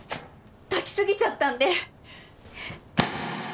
炊き過ぎちゃったんで！